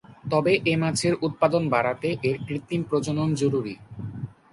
তবে এ মাছের উৎপাদন বাড়াতে এর কৃত্রিম প্রজনন জরুরি।